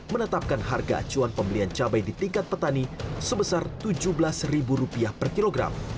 menetapkan harga acuan pembelian cabai di tingkat petani sebesar rp tujuh belas per kilogram